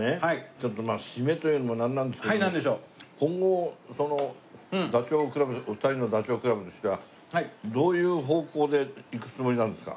ちょっと締めというのもなんなんですけど今後その２人のダチョウ倶楽部としてはどういう方向でいくつもりなんですか？